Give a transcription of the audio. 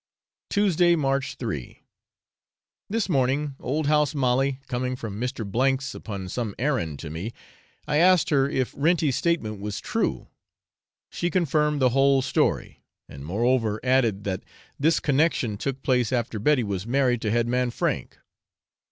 Tuesday, March 3. This morning, old House Molly, coming from Mr. G 's upon some errand to me, I asked her if Renty's statement was true; she confirmed the whole story, and, moreover, added that this connection took place after Betty was married to head man Frank.